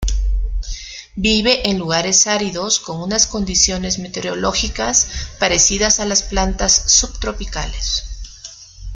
Vive en lugares áridos con unas condiciones meteorológicas parecidas a las plantas subtropicales.